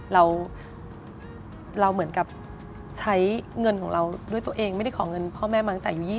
เราเหมือนกับใช้เงินของเราด้วยตัวเองไม่ได้ขอเงินพ่อแม่มาตั้งแต่อายุ๒๐